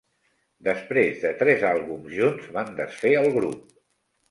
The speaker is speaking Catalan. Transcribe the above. Després de tres àlbums junts van desfer el grup.